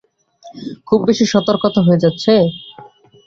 খুব বেশি সতর্কতা হয়ে যাচ্ছে?